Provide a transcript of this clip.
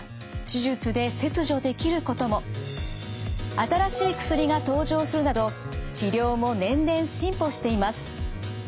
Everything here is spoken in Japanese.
新しい薬が登場するなど治療も年々進歩しています。